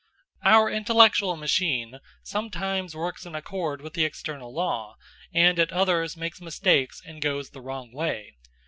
Our intellectual machine sometimes works in accord with the external law and at others makes mistakes and goes the wrong way.